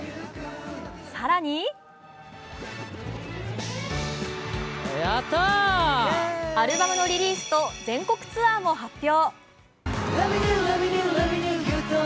更にアルバムのリリースと全国ツアーも発表。